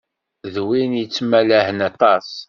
D win yettmalahen aṭas.